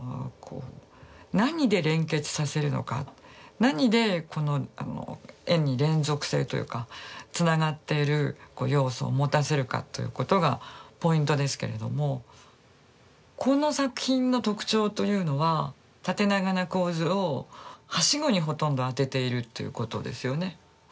こう何で連結させるのか何でこのあの絵に連続性というかつながっている要素を持たせるかということがポイントですけれどもこの作品の特徴というのは縦長な構図をはしごにほとんど当てているということですよね。